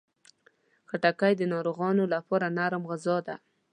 خټکی د ناروغانو لپاره نرم غذا ده.